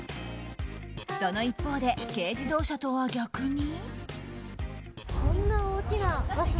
その一方で、軽自動車とは逆に。